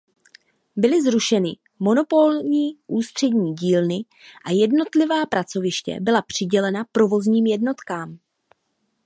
Byly zrušeny monopolní Ústřední dílny a jednotlivá pracoviště byla přidělena provozním jednotkám.